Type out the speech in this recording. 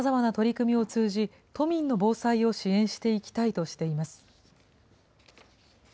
さまざまな取り組みを通じ、都民の防災を支援していきたいとしています。